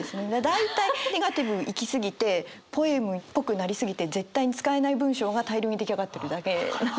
大体ネガティブいきすぎてポエムっぽくなりすぎて絶対に使えない文章が大量に出来上がってるだけなので。